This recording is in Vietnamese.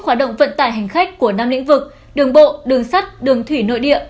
hoạt động vận tải hành khách của năm lĩnh vực đường bộ đường sắt đường thủy nội địa